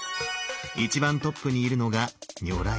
一番トップにいるのが如来。